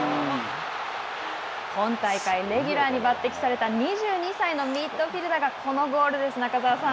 今大会レギュラーに抜てきされた２２歳のミッドフィルダーがこのゴールです、中澤さん。